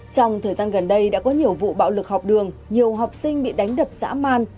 trong thời gian gần đây đã có nhiều vụ bạo lực học đường nhiều học sinh bị đánh đập dã man